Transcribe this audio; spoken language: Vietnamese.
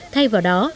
thay vào đó